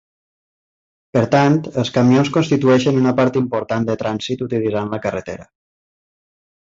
Per tant, els camions constitueixen una part important de trànsit utilitzant la carretera.